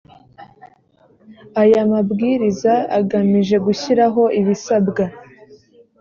aya mabwiriza agamije gushyiraho ibisabwa